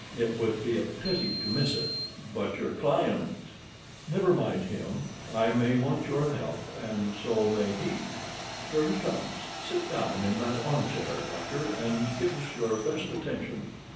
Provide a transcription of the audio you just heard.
It would be a pity to miss it." "But your client—" "Never mind him. I may want your help, and so may he. Here he comes. Sit down in that armchair, doctor, and give us your best attention."